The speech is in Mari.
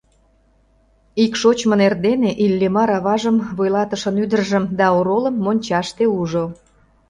Ик шочмын эрдене Иллимар аважым, вуйлатышын ӱдыржым да оролым мончаште ужо.